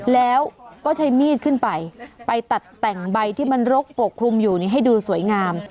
แล้วก็ใช้มีดขึ้นไปไปตัดแต่งใบที่มันรกปกคลุมอยู่ให้ดูสวยงาม